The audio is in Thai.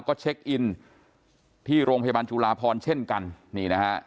ก็เช็คอินที่โรงพยาบาลจุลาพรเช่นกันนี่นะฮะ